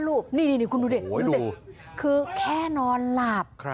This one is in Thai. สรุปนี่คุณดูเด็กคือแค่นอนหลับ